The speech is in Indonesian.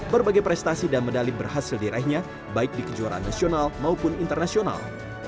berbagai prestasi dan medali berhasil diraihnya baik di kejuaraan nasional maupun internasional